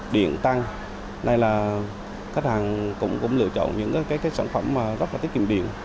điện tăng nay là khách hàng cũng lựa chọn những sản phẩm rất là tiết kiệm điện